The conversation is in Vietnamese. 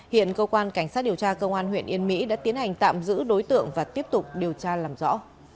hiện cơ quan cảnh sát điều tra công an huyện yên mỹ đã tiến hành tạm giữ đối tượng và tiếp tục điều tra làm rõ